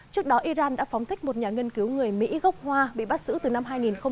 trước đó iran đã phóng thích một nhà nghiên cứu người mỹ gốc hoa bị bắt giữ từ năm hai nghìn một mươi